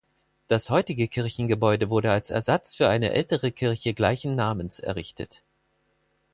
Das heutige Kirchengebäude wurde als Ersatz für eine ältere Kirche gleichen Namens errichtet.